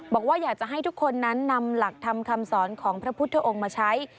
บอกว่าอยากจะให้ทุกคนนั้นนำหลักธรรมคำสอนของพระพุทธองค์มาใช้